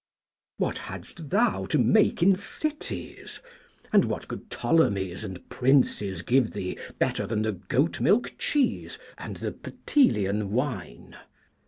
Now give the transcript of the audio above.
What hadst thou to make in cities, and what could Ptolemies and Princes give thee better than the goat milk cheese and the Ptelean wine?